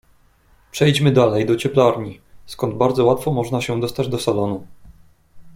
"Przejdźmy dalej do cieplarni, skąd bardzo łatwo można się dostać do salonu."